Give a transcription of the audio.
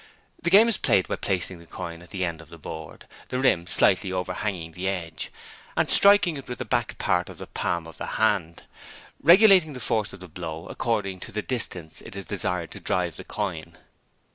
The game is played by placing the coin at the end of the board the rim slightly overhanging the edge and striking it with the back part of the palm of the hand, regulating the force of the blow according to the distance it is desired to drive the coin.